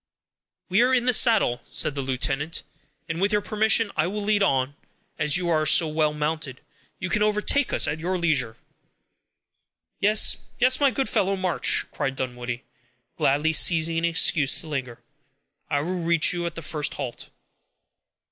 "We are in the saddle," said the lieutenant, "and, with your permission, I will lead on; as you are so well mounted, you can overtake us at your leisure." "Yes, yes, my good fellow; march," cried Dunwoodie, gladly seizing an excuse to linger. "I will reach you at the first halt."